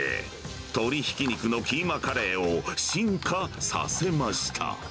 鶏ひき肉のキーマカレーを進化させました。